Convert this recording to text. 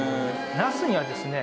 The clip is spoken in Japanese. ナスにはですね